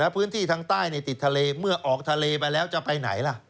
พื้นที่ทางใต้ติดทะเลเมื่อออกทะเลไปแล้วจะไปไหนล่ะ